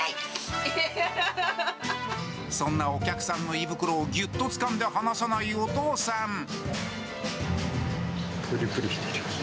「そんなお客さんの胃袋をぎゅっとつかんで離さないお父さん」